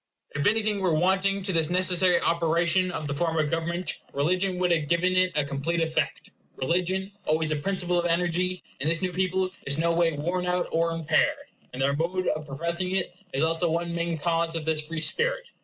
If anything were wanting to this necessary operation of the form of government, religion would have given it a complete effect. Religion, always a principle of energy, in this new people is no way worn out or impaired; and their mode of professing it is also one main cause of this free spirit.